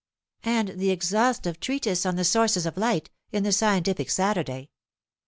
And the exhaustive treatise on the Sources of Light, in the Scientific Saturday.